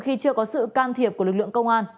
khi chưa có sự can thiệp của lực lượng công an